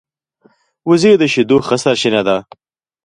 وزې د شیدو ښه سرچینه ده